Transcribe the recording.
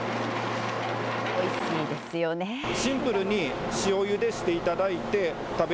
おいしいですよね。